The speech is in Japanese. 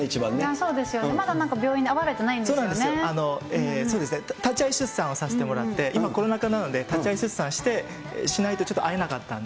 そうなんですよ、そうですね、立ち会い出産をさせてもらって、今コロナ禍なので、立ち会い出産して、しないとちょっと会えなかったんで。